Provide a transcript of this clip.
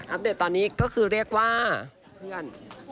ปเดตตอนนี้ก็คือเรียกว่าเพื่อน